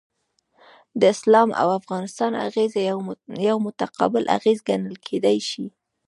د اسلام او افغانستان اغیزه یو متقابل اغیز ګڼل کیدای شي.